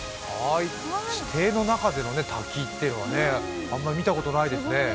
地底の中での滝というのはあんまり見たことないですね。